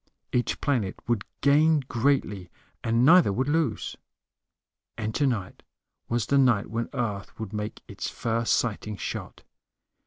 Each planet would gain greatly, and neither would lose. And tonight was the night when Earth would make its first sighting shot.